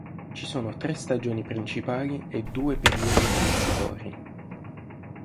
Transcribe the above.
Ci sono tre stagioni principali e due periodi transitori.